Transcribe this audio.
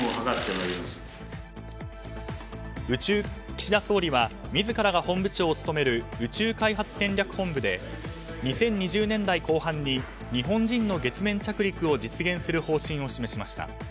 岸田総理は自らが本部長を務める宇宙開発戦略本部で２０２０年代後半に日本人の月面着陸を実現する方針を示しました。